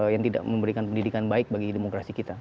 yang tidak memberikan pendidikan baik bagi demokrasi kita